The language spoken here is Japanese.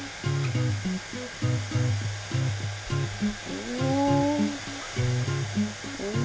お。